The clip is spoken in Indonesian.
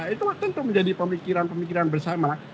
itu tentu menjadi pemikiran pemikiran bersama